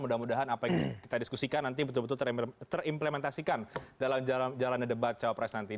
mudah mudahan apa yang kita diskusikan nanti betul betul terimplementasikan dalam jalannya debat cawapres nanti